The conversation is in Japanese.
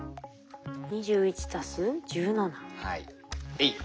えい。